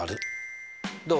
どう？